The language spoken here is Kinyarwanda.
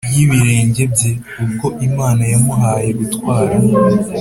y ibirenge bye Ubwo Imana yamuhaye gutwara